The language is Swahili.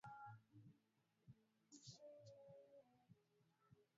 ya anakotaka kuipeleka nchi Kiongozi wa nchi ataangalia